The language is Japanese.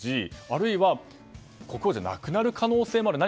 あるいは国王じゃなくなる可能性もある。